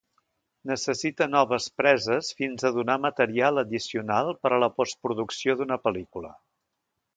Necessita noves preses fins a donar material addicional per a la postproducció d'una pel·lícula.